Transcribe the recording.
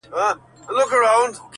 په ټولو کتابو کي دی، انسان مبارک~